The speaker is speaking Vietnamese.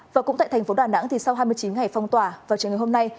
và cũng tại tp đà nẵng sau hai mươi chín ngày phong tỏa vào trường hợp hôm nay